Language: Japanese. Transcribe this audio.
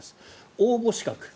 応募資格。